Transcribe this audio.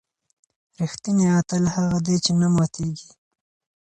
ریښتینی اتل هغه دی چې نه ماتېږي.